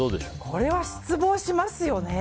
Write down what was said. これは失望しますよね。